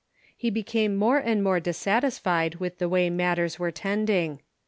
He became more and more dissatisfied with the Avay matters \vere tending.